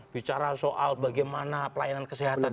bicara soal bagaimana pelayanan kesehatan